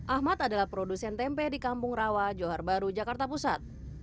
ahmad adalah produsen tempe di kampung rawa johar baru jakarta pusat